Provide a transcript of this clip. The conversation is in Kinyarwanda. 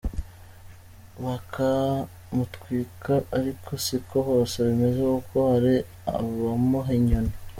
baka mutwika, ariko siko hose bimeze kuko hari abamuha inyoni.